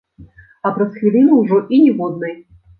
А праз хвіліну ўжо і ніводнай.